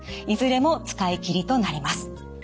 いずれも使い切りとなります。